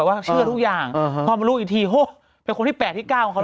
ว่าเชื่อทุกอย่างพอมารู้อีกทีโฮ